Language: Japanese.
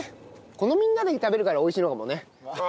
このみんなで食べるから美味しいのかもね。